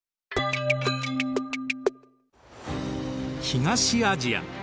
東アジア。